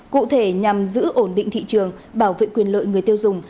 cụ thể nhằm giữ ổn định thị trường bảo vệ quyền lợi người tiêu dùng